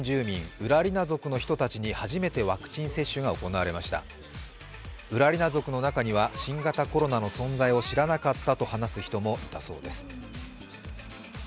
ウラリナ族の中には新型コロナの存在を知らなかったと話す人もいたそうです。